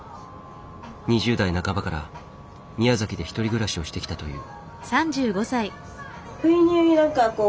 ２０代半ばから宮崎で１人暮らしをしてきたという。